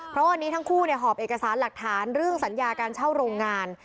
เพราะวันนี้ทั้งคู่หอบเอกสารหลักฐานเรื่องสัญญาการเช่าโรงงาน